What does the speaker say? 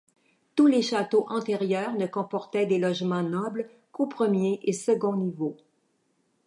Tous les châteaux antérieurs ne comportaient des logements nobles qu’au premier et second niveau.